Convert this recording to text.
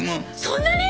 そんなに！？